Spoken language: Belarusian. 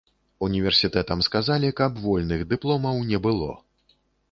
Універсітэтам сказалі, каб вольных дыпломаў не было.